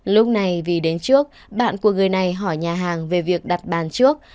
lúc này vì đến trước bạn của người này hỏi nhà hàng về việc đặt bàn trước